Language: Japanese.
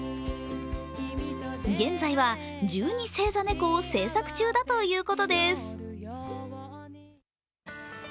現在は１２星座ネコを制作中だということです。